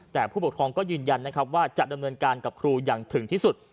แต่ผู้ปกครองก็ยืนยันนะครับว่าจะดำเนินการกับครูอย่างถึงที่สุด